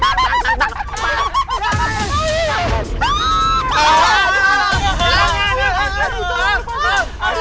aku terjerak aku jok pindah istri